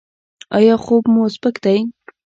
ایا خوب مو سپک دی؟